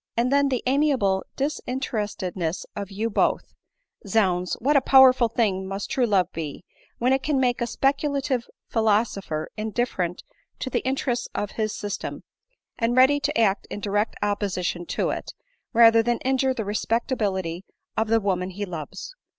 And then the amiable, disinterestedness of you both ! Zounds ! what a powerful thing must true love be, when it can make a speculative philosopher indifferent to the interests of his system, and ready to act in direct opposi tion to it, rather titan injure the respectability of the woman he loves